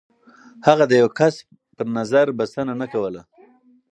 هغه د يو کس پر نظر بسنه نه کوله.